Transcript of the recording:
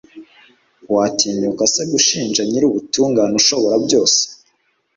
watinyuka se gushinja nyir'ubutungane ushobora byose